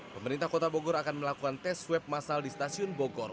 pemerintah kota bogor akan melakukan tes swab masal di stasiun bogor